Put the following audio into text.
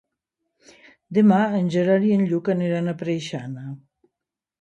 Demà en Gerard i en Lluc aniran a Preixana.